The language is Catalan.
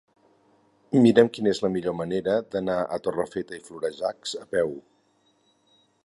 Mira'm quina és la millor manera d'anar a Torrefeta i Florejacs a peu.